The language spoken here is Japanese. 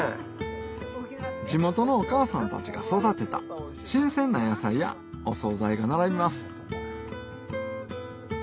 地元のお母さんたちが育てた新鮮な野菜やお総菜が並びます